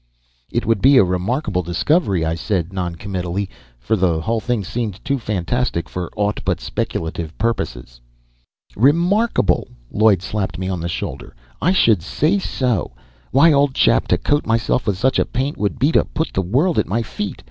"It would be a remarkable discovery," I said non committally, for the whole thing seemed too fantastic for aught but speculative purposes. "Remarkable!" Lloyd slapped me on the shoulder. "I should say so. Why, old chap, to coat myself with such a paint would be to put the world at my feet.